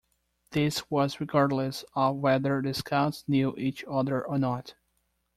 This was regardless of whether the Scouts knew each other or not.